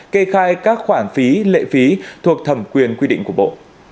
kê khai các khoản phí lệ phí thuộc thẩm quyền quy định của bộ